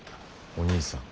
お兄さん？